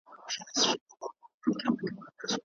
او يوه ورځ د بېګانه وو په حجره کي چېرته